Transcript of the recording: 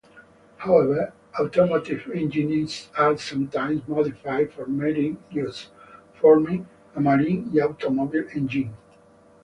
However, automotive engines are sometimes modified for marine use, forming a marine automobile engine.